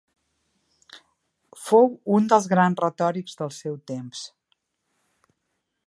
Fou un dels grans retòrics del seu temps.